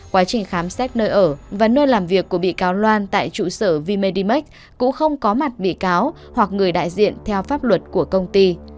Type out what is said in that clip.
quá trình khám xét nơi ở và nơi làm việc của bị cáo loan tại trụ sở v medimax cũng không có mặt bị cáo hoặc người đại diện theo pháp luật của công ty